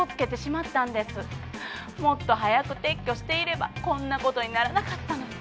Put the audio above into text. もっと早く撤去していればこんなことにならなかったのに。